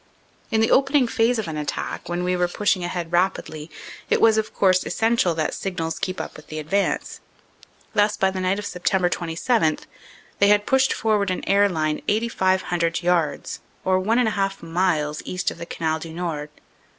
In the opening phase of an attack, when we were pushing ahead rapidly, it was, of course, essential that Signals keep up with the advance. Thus, by the night of Sept. 27, they had pushed forward an air line 8,500 yards, or one and a half miles east of the Canal du Nord.